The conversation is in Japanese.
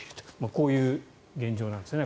こういう現状なんですね。